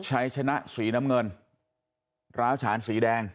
ใช้ชนะสีน้ำเงินร้าวฉานสีแดง